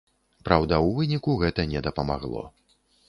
Праўда, у выніку гэта не дапамагло.